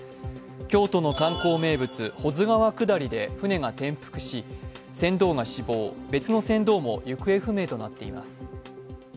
京都の観光名物、保津川下りで舟が転覆し、船頭が死亡、別の船頭も行方不明となっています。